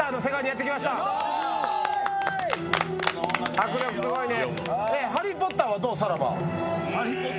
迫力すごいね。